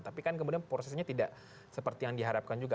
tapi kan kemudian prosesnya tidak seperti yang diharapkan juga